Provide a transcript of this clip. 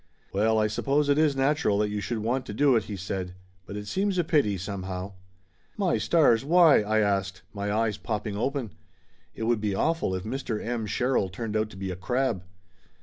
"Well, I suppose it is natural that you should want to do it," he said. "But it seems a pity, somehow." "My stars, why?" I asked, my eyes popping open. It would be awful if Mr. M. Sherrill turned out to be a crab